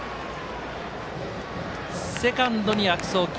セカンドに悪送球。